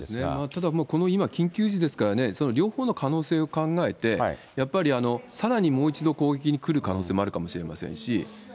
ただこの今緊急時ですからね、両方の可能性を考えて、やっぱりさらにもう一度攻撃に来る可能性もあるかもしれませんし。